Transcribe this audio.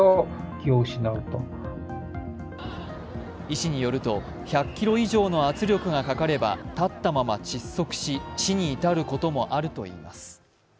医師によると１００ｋｇ以上の圧力がかかれば立ったまま窒息し死に至ることもあるといいます。